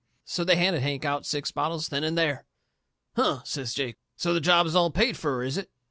So they handed Hank out six bottles then and there." "Huh!" says Jake. "So the job is all paid fur, is it?"